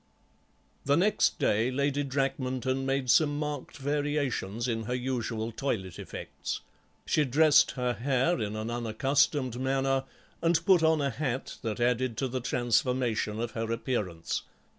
The next day Lady Drakmanton made some marked variations in her usual toilet effects. She dressed her hair in an unaccustomed manner, and put on a hat that added to the transformation of her appearance.